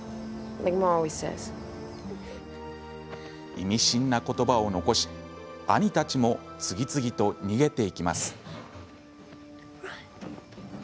意味深な言葉を残し兄たちも次々と逃げていきます。